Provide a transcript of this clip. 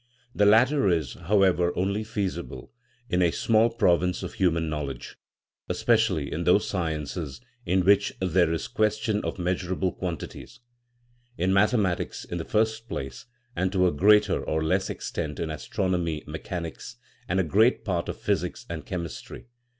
The latter is, however, only feasible in a small province of human knowledge, especially in those sciences in which there is question of measurable 96 THE NATURE OF THE SOUL quantities ; in mathematics, in the first place, and to a greater or less extent in astronomy, mechanics, and a great part of physics and chemistry.